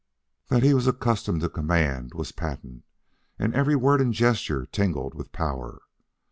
That he was accustomed to command was patent, and every word and gesture tingled with power.